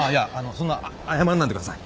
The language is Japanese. そんな謝んないでください。